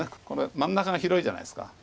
これ真ん中が広いじゃないですか。